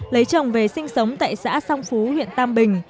lấy chồng về sinh sống tại xã song phú huyện tam bình